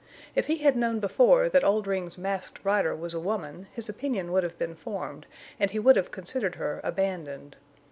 If he had known before that Oldring's Masked Rider was a woman his opinion would have been formed and he would have considered her abandoned.